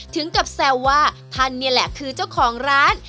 ถึงกับแซวว่าท่านนี่แหละคือเจ้าของร้าน